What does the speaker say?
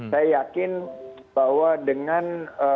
saya yakin bahwa dengan